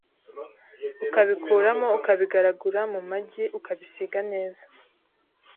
ukabikuramo ukabigaragura mu magi ukabisiga neza,